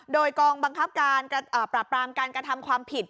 โดยกองบังคับการปราบปรามการกระทำความผิด